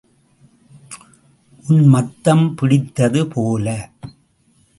உன்மத்தம் பிடித்தது போல.